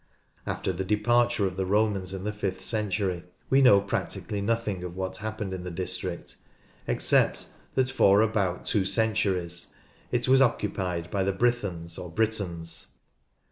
After the departure of the Romans in the fifth century we know practically nothing of what happened in the district, except that for about two centuries it was occupied by the Brythons or Britons.